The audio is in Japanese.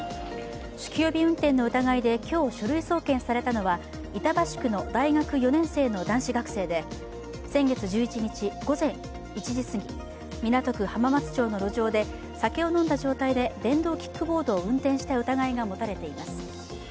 酒気帯び運転の疑いで今日、書類送検されたのは板橋区の大学４年生の男子学生で先月１１日、午前１時すぎ港区浜松町の路上で酒を飲んだ状態で電動キックボードを運転した疑いが持たれています。